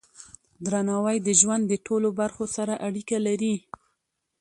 درناوی د ژوند د ټولو برخو سره اړیکه لري.